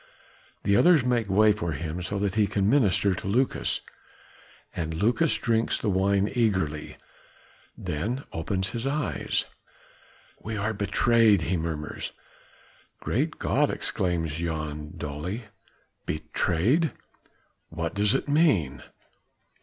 The others make way for him so that he can minister to Lucas. And Lucas drinks the wine eagerly, then he opens his eyes. "We are betrayed," he murmurs. "Great God!" exclaims Jan dully. "Betrayed!" "What does it mean?"